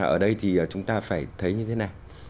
ở đây thì chúng ta phải thấy như thế nào